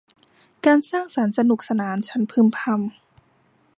การสร้างสรรค์สนุกสนาน ฉันพึมพำ